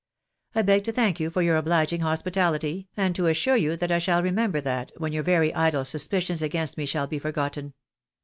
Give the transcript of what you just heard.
I beg to thank you for your obhging hospitahty, and to assure you that I shall remember that, when your very idle suspicions against me shall be forgotten.